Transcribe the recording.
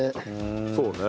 そうね。